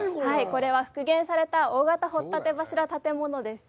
これは復元された、大型掘立柱建物です。